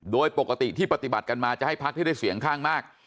โดยปกติที่ปฏิบัติกันมาจะให้พักที่ได้เสียงข้างมาก